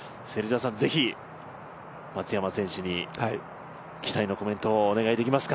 ぜひ松山選手に期待のコメントをお願いできますか？